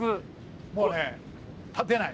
もうね立てない。